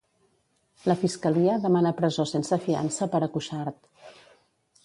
La Fiscalia demana presó sense fiança per a Cuixart.